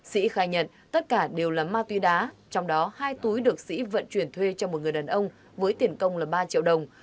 sĩ khai nhận tất cả đều là ma túy đá trong đó hai túi được sĩ vận chuyển thuê cho một người đàn ông với tiền công là ba triệu đồng